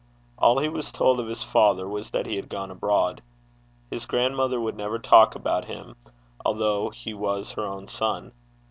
All he was told of his father was that he had gone abroad. His grandmother would never talk about him, although he was her own son.